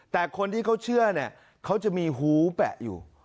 แต่คนที่เขาเชื่อเนี่ยเขาจะมีหูแปะอยู่